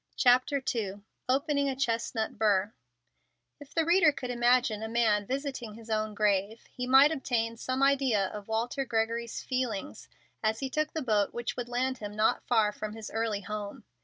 CHAPTER II OPENING A CHESTNUT BURR If the reader could imagine a man visiting his own grave, he might obtain some idea of Walter Gregory's feelings as he took the boat which would land him not far from his early home.